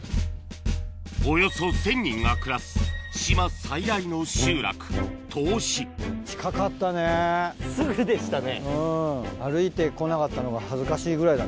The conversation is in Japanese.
およそ１０００人が暮らす島最大の集落すぐでしたね。